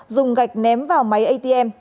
dùng gạch ném vào máy atm